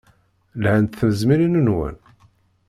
Lhant tezmilin-nwen?